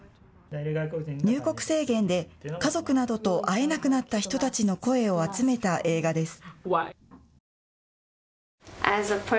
入国制限で家族などと会えなくなった人たちの声を集めた映画です。